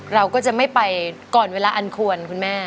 เราก็จะไม่ไปก่อนเวลาอันควรคุณแม่